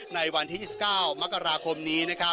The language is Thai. ในวันที่๒๙มกราคมนี้